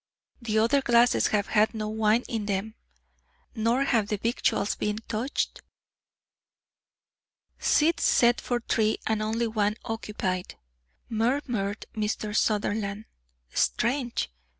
The other glasses have had no wine in them, nor have the victuals been touched." "Seats set for three and only one occupied," murmured Mr. Sutherland. "Strange!